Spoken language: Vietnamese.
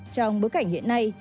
trong bối cảnh hiện nay